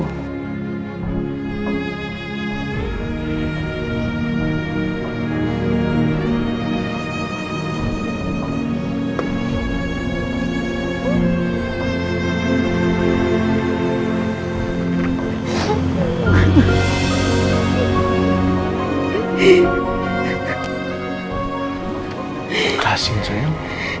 terima kasih sayang